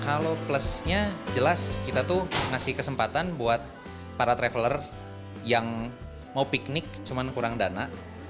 kalau plusnya jelas kita tuh ngasih kesempatan buat para traveler yang mau piknik cuma kurang dana